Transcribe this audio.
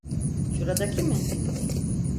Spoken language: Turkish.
Şuradaki mi?